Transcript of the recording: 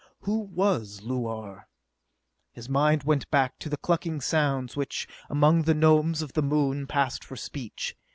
Who was Luar? His mind went back to the clucking sounds which, among the Gnomes of the Moon, passed for speech.